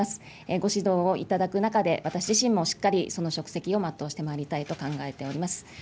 ご指導をいただく中で、私自身もしっかりその職責を全うしてまいりたいと考えております。